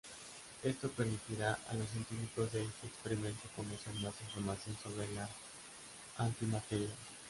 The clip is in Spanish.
Esto permitirá a los científicos de este experimento conocer más información sobre la antimateria.